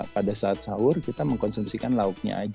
pada saat sahur kita mengkonsumsikan lauknya aja